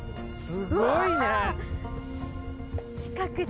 すごいね！